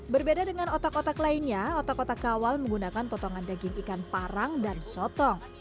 berbeda dengan otak otak lainnya otak otak kawal menggunakan potongan daging ikan parang dan sotong